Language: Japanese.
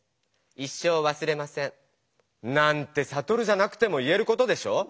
一生わすれません」なんてサトルじゃなくても言えることでしょ！